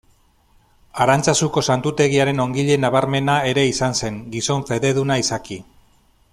Arantzazuko Santutegiaren ongile nabarmena ere izan zen, gizon fededuna izaki.